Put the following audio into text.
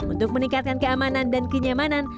untuk meningkatkan keamanan dan kenyamanan